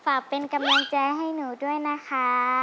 ฝากเป็นกำลังใจให้หนูด้วยนะคะ